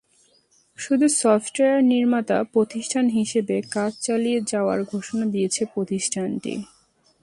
শুধু সফটওয়্যার নির্মাতা প্রতিষ্ঠান হিসেবে কাজ চালিয়ে যাওয়ার ঘোষণা দিয়েছে প্রতিষ্ঠানটি।